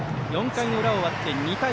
４回の裏を終わって２対１